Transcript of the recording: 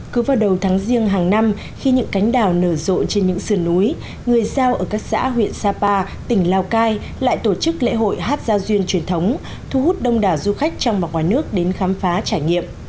cứ vào đầu tháng riêng hàng năm khi những cánh đào nở rộ trên những sườn núi người giao ở các xã huyện sapa tỉnh lào cai lại tổ chức lễ hội hát giao duyên truyền thống thu hút đông đảo du khách trong và ngoài nước đến khám phá trải nghiệm